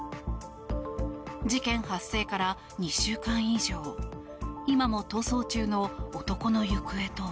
事件発生から２週間以上今も逃走中の男の行方とは。